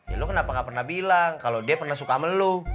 ya lo kenapa gak pernah bilang kalau dia pernah suka melu